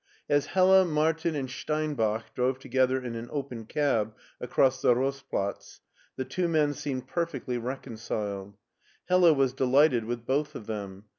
As Hella, Martin, and Steinbach drove together in an open cab across the Rossplatz, the two men seemed perfectly reconciled. Hella was delighted with both of them.